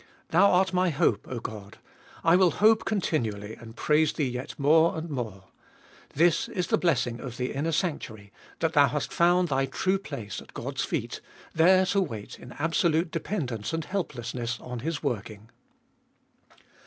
Thou art my hope, O God! I will hope continually, and praise Thee yet more and more. This is the blessing of the inner sanctuary, that thou 392 abe ftoliest of hast found thy true place at God's feet, there to wait in absolute dependence and helplessness on His working.